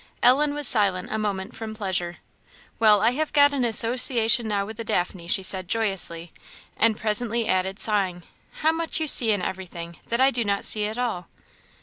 " Ellen was silent a moment from pleasure. "Well, I have got an association now with the daphne!" she said, joyously; and presently added, sighing, "How much you see in everything, that I do not see at all."